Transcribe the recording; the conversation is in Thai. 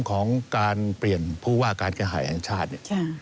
ของการเปลี่ยนผู้ว่าการการย่ายแห่งชาติ